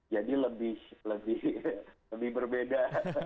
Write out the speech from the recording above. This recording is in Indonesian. jadi lebih lebih lebih berbeda